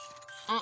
あ！